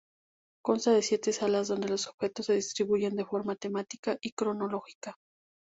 Consta de siete salas donde los objetos se distribuyen de forma temática y cronológica.